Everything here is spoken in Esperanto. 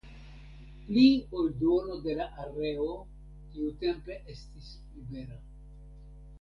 Pli ol duono de la areo tiutempe estis libera.